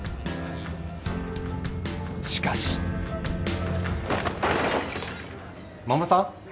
［しかし］衛さん？